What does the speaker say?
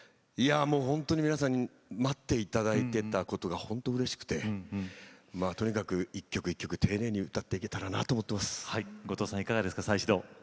本当に皆さんに待っていただいていたことが本当うれしくてとにかく一曲一曲、丁寧に歌っていけたらいいなと思います。